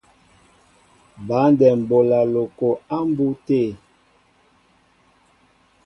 Băndɛm bola loko a mbu té.